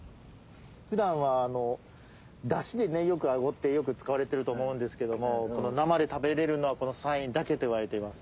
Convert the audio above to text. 普段はダシでアゴって使われてると思うんですけども生で食べれるのはこの山陰だけといわれています。